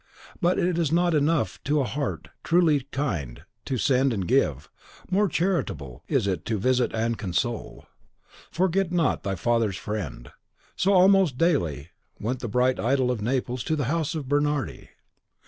But it is not enough to a heart truly kind to send and give; more charitable is it to visit and console. "Forget not thy father's friend." So almost daily went the bright idol of Naples to the house of Bernardi.